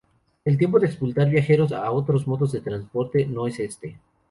El tiempo de expulsar viajeros a otros modos de transporte no es este